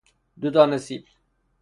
دو دانه سیب